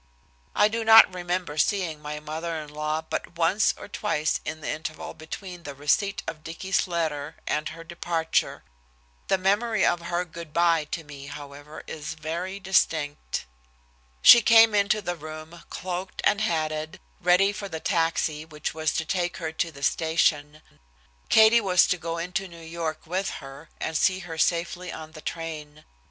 I do not remember seeing my mother in law but once or twice in the interval between the receipt of Dicky's letter and her departure. The memory of her good by to me, however, is very distinct. She came into the room, cloaked and hatted, ready for the taxi which was to take her to the station. Katie was to go into New York with her, and see her safely on the train.